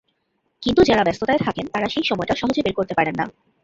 কিন্তু যাঁরা ব্যস্ততায় থাকেন তাঁরা সেই সময়টা সহজে বের করতে পারেন না।